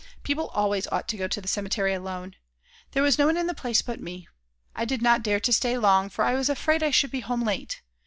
People always ought to go to the cemetery alone. There was no one in the place but me. I did not dare to stay long, for I was afraid I should be home late.